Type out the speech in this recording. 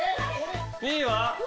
２位は？